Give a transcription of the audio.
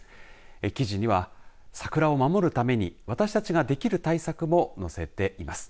記事には桜を守るために私たちができる対策も載せています。